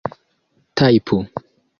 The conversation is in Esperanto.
tajpu